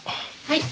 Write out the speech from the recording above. はい。